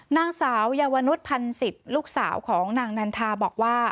นางสาวเยาวนุษยพันธ์ศิษย์ลูกสาวของนางนันทาบอกว่า